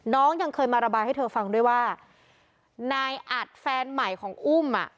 ยังเคยมาระบายให้เธอฟังด้วยว่านายอัดแฟนใหม่ของอุ้มอ่ะ